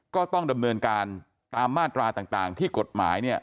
ก็ต้องดำเนินการตามมาตราต่างที่กฎหมายเนี่ย